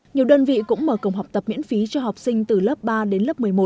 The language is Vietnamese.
nhiều đơn vị cũng mở cổng học tập miễn phí cho học sinh từ lớp ba đến lớp một mươi một